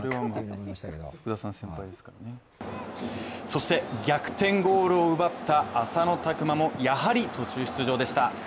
そして、逆転ゴールを奪った浅野拓磨もやはり途中出場でした。